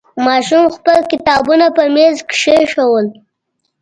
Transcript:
ماشوم خپل کتابونه په میز کېښودل.